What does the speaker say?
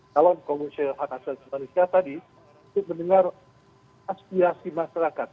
calon komisioner hak kesehatan manusia tadi untuk mendengar asfiasi masyarakat